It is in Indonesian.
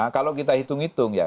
kalau kita hitung hitung ya